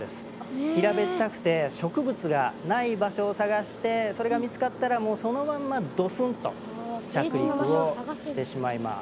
平べったくて植物がない場所を探してそれが見つかったらもうそのまんまドスンと着陸をしてしまいます。